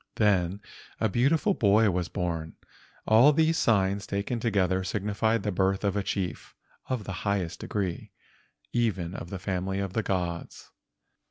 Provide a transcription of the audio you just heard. Then a beautiful boy was born. All these signs taken together signified the birth of a chief of the highest degree—even of the family of the gods.